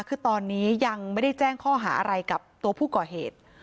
คือตอนนี้ยังไม่ได้แจ้งข้อหาอะไรกับตัวผู้ก่อเหตุ